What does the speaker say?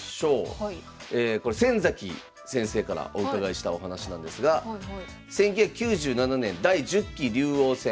これ先崎先生からお伺いしたお話なんですが１９９７年第１０期竜王戦。